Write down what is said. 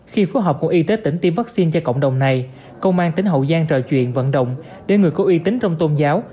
khi phối hợp của y tế tỉnh tiêm vaccine cho cộng đồng này công an tỉnh hậu giang trò chuyện vận động để người có uy tín trong tôn giáo